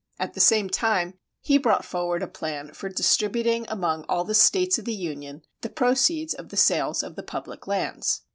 At the same time he brought forward a plan for distributing among all the States of the Union the proceeds of the sales of the public lands.